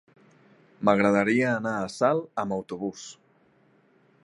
M'agradaria anar a Salt amb autobús.